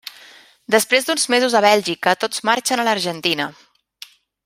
Després d'uns mesos a Bèlgica tots marxen a l'Argentina.